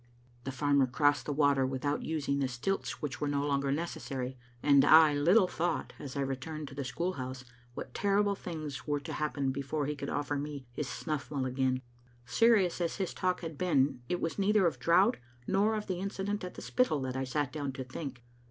" The farmer crossed the water without using the stilts which were no longer necessary, and I little thought, as I returned to the school house, what terrible things were to happen before he could offer me his snuff mull again. Serious as his talk had been it was neither of drought nor of the incident at the Spittal that I sat down to think.